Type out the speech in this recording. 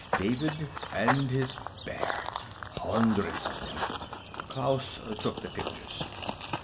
David and his bear. Hundreds of them. Klaus took the pictures."